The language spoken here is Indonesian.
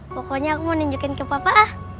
pokoknya aku nunjukin ke papa